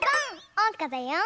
おうかだよ！